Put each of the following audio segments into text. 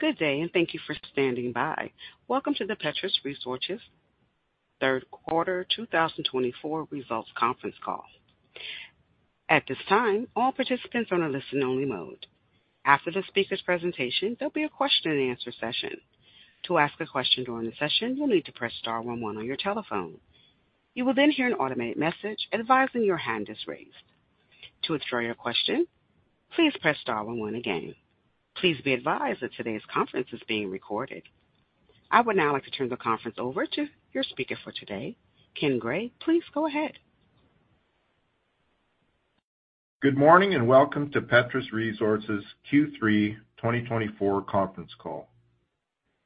Good day, and thank you for standing by. Welcome to the Petrus Resources Third Quarter 2024 Results Conference Call. At this time, all participants are on a listen-only mode. After the speaker's presentation, there'll be a question-and-answer session. To ask a question during the session, you'll need to press star one one on your telephone. You will then hear an automated message advising your hand is raised. To withdraw your question, please press star one one again. Please be advised that today's conference is being recorded. I would now like to turn the conference over to your speaker for today, Ken Gray. Please go ahead. Good morning and welcome to Petrus Resources Q3 2024 Conference Call.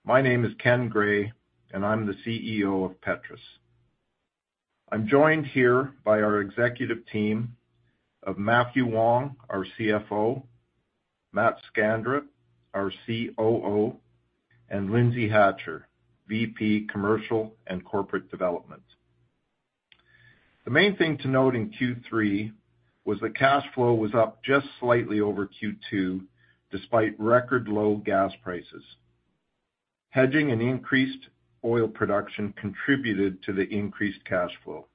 My name is Ken Gray, and I'm the CEO of Petrus. I'm joined here by our executive team of Mathew Wong, our CFO, Matt Skanderup, our COO, and Lindsay Hatcher, VP, Commercial and Corporate Development. The main thing to note in Q3 was that cash flow was up just slightly over Q2 despite record-low gas prices. Hedging and increased oil production contributed to the increased cash flow.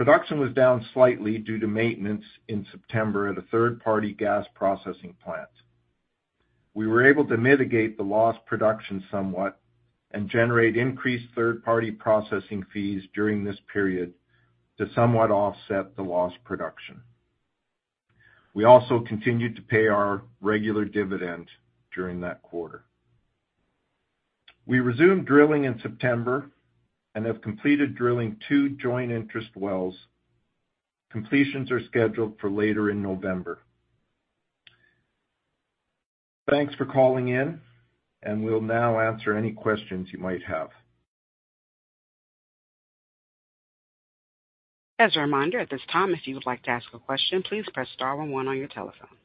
Production was down slightly due to maintenance in September at a third-party gas processing plant. We were able to mitigate the lost production somewhat and generate increased third-party processing fees during this period to somewhat offset the lost production. We also continued to pay our regular dividend during that quarter. We resumed drilling in September and have completed drilling two joint interest wells. Completions are scheduled for later in November. Thanks for calling in, and we'll now answer any questions you might have. As a reminder, at this time, if you would like to ask a question, please press star one one on your telephone.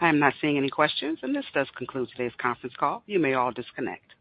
I am not seeing any questions, and this does conclude today's conference call. You may all disconnect.